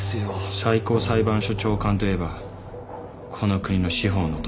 最高裁判所長官といえばこの国の司法のトップ。